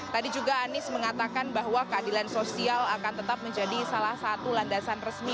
tadi juga anies mengatakan bahwa keadilan sosial akan tetap menjadi salah satu landasan resmi